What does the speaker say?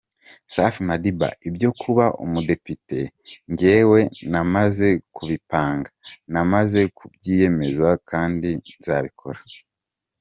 Safi Madiba: Ibyo kuba umudepite njyewe namaze kubipanga, namaze kubyiyemeza kandi nzabikora.